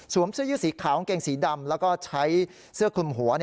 เสื้อยืดสีขาวกางเกงสีดำแล้วก็ใช้เสื้อคลุมหัว